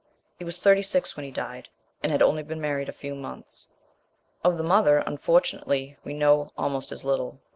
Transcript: He was thirty six when he died, and had only been married a few months. Of the mother, unfortunately, we know almost as little.